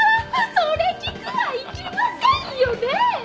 それ聞くはいけませんよねぇ！